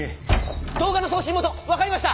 動画の送信元分かりました！